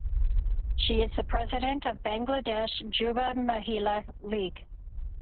She is the President of Bangladesh Juba Mahila League.